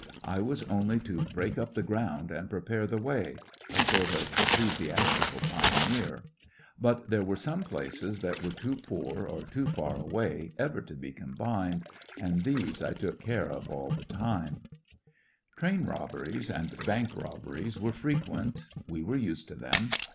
I was only to break up the ground and prepare the way —a sort of ecclesiastical pioneer* But there were some places which were too poor or too far away ever to be combined, and these I took care of all the time* Train robberies and bank robberies were fre TmnrMmes quent ; wc were used to them.